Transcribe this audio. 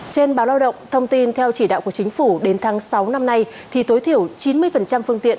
trên báo lao động thông tin theo chỉ đạo của chính phủ đến tháng sáu năm nay thì tối thiểu chín mươi phương tiện